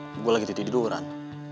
gue lagi tidur tiduran